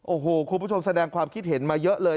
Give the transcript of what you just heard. โอ้โหคุณผู้ชมแสดงความคิดเห็นมาเยอะเลย